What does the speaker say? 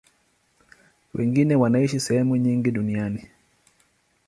Wengine wanaishi sehemu nyingi duniani.